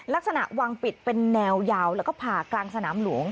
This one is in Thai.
ลักษณะวางปิดเป็นแนวยาวแล้วก็ผ่ากลางสนามหลวง